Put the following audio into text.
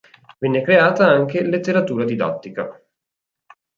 Venne creata anche letteratura didattica.